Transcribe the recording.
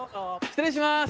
失礼します。